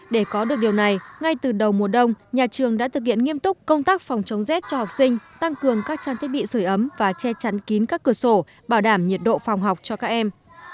để có được điều này ngay từ đầu mùa đông nhà trường đã thực hiện nghiêm túc công tác phòng chống rét cho học sinh tăng cường các trang thiết bị sửa ấm và che chắn kín các cửa sổ bảo đảm nhiệt độ phòng học cho các em